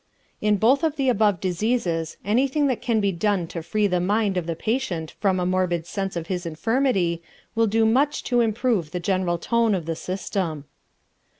In both of the above diseases anything that can be done to free the mind of the patient from a morbid sense of his infirmity will do much to improve the general tone of the system.